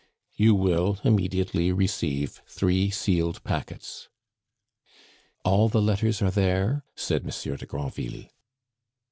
You will immediately receive three sealed packets." "All the letters are there?" said Monsieur de Granville.